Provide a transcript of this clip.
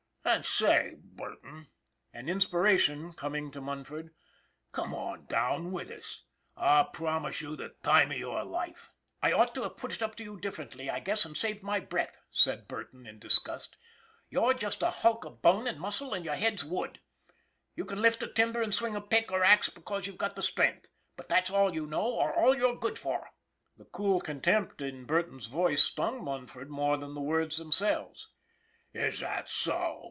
And say, Burton " an inspiration coming to Mun ford " come on down with us. I'll promise you the time of your life." 330 ON THE IRON AT BIG CLOUD " I ought to have put it up to you differently, I guess, and saved my breath," said Burton in disgust. '' You're just a hulk of bone and muscle and your head's wood. You can lift a timber and swing a pick or axe because you've got the strength. But that's all you know, or all you're good for !" The cool contempt in Burton's voice stung Mun ford more than the words themselves. " Is that so